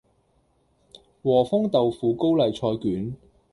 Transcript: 和風豆腐高麗菜卷